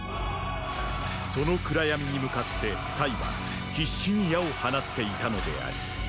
その暗闇に向かっては必死に矢を放っていたのである。